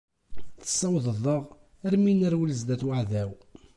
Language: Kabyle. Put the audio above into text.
Tessawḍeḍ-aɣ armi i nerwel sdat uɛdaw.